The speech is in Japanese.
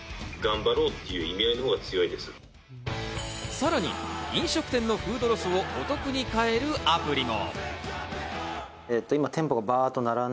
さらに飲食店のフードロスをお得に買えるアプリも。